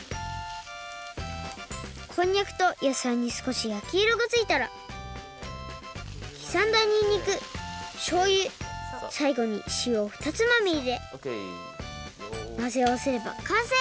こんにゃくとやさいにすこしやきいろがついたらきざんだニンニクしょうゆさいごにしおをふたつまみいれまぜあわせればかんせい！